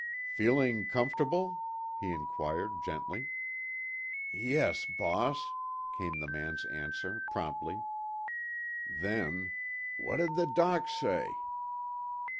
"Feeling comfortable?" he inquired gently. "Yes, boss," came the man's answer promptly. Then, "Wot did the Doc say?"